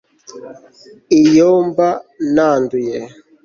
iyo mba nanduye